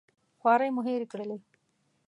خوارۍ مو هېرې کړلې.